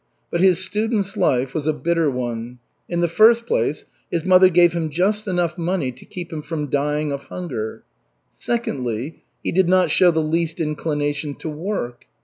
But his student's life was a bitter one. In the first place, his mother gave him just enough money to keep him from dying of hunger. Secondly, he did not show the least inclination to work.